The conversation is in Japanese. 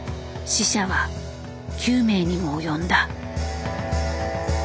死者は９名にも及んだ。